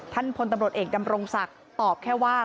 พลตำรวจเอกดำรงศักดิ์ตอบแค่ว่า